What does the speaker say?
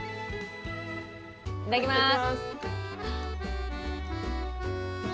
いただきまーす。